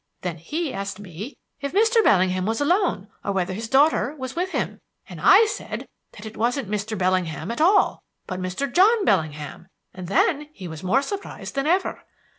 Then he asked me if Mr. Bellingham was alone or whether his daughter was with him, and I said that it wasn't Mr. Bellingham at all, but Mr. John Bellingham, and then he was more surprised than ever.